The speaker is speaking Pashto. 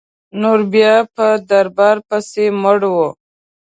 نور بیا په دربار پسي مړه وه.